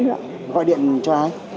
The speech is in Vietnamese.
gọi điện cho ai